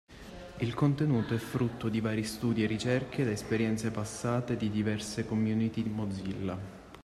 Il contenuto è frutto di vari studi e ricerche da esperienze passate di diverse community Mozilla